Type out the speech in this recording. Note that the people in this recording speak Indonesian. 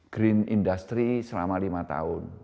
green industry selama lima tahun